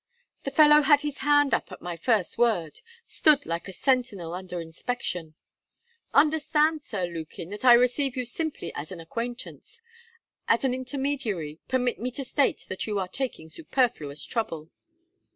'The fellow had his hand up at my first word stood like a sentinel under inspection. "Understand, Sir Lukin, that I receive you simply as an acquaintance. As an intermediary, permit me to state that you are taking superfluous trouble.